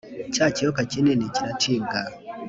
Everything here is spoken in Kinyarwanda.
Cya kiyoka kinini kiracibwa,